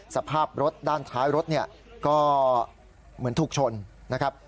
สภาพรถด้านท้ายรถเนี่ยก็เหมือนถูกชนนะครับ